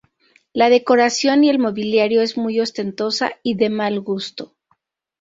La decoración y el mobiliario es muy ostentosa y de mal gusto.